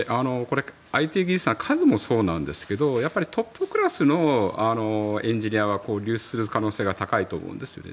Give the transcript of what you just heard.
ＩＴ技術者は数もそうなんですがやっぱりトップクラスのエンジニアが流出する可能性が高いと思うんです。